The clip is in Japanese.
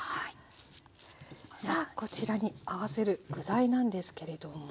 さあこちらに合わせる具材なんですけれども。